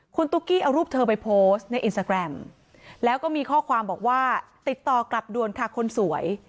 คุณตุ๊กกี้เอารูปเธอไปโพสต์ในอินสตาแกรมแล้วก็มีข้อความบอกว่าติดต่อกลับด่วนค่ะคนสวย